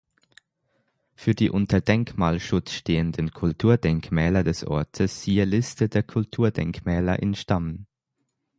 Für die unter Denkmalschutz stehenden Kulturdenkmäler des Ortes siehe Liste der Kulturdenkmäler in Stammen.